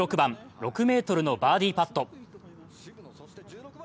６ｍのバーディーパット。